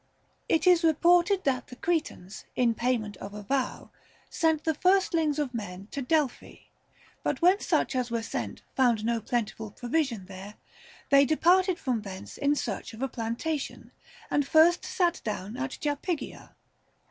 It is reported that the Cretans (in payment of a vow) sent the firstlings of men to Delphi ; but when such as were sent found no plentiful provision there, they departed from thence in search of a plantation, and first sat down at Japygia.